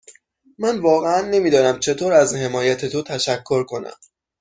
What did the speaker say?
من واقعا نمی دانم چطور از حمایت تو تشکر کنم.